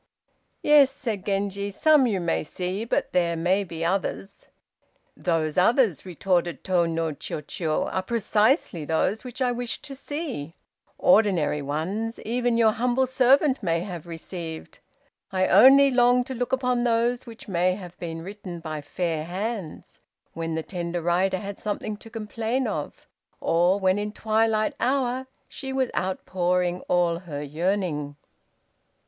"Yes," said Genji; "some you may see, but there may be others!" "Those others," retorted Tô no Chiûjiô, "are precisely those which I wish to see; ordinary ones, even your humble servant may have received. I only long to look upon those which may have been written by fair hands, when the tender writer had something to complain of, or when in twilight hour she was outpouring all her yearning!"